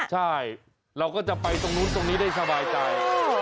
ใช่เราก็จะไปตรงนู้นตรงนี้ได้สบายใจ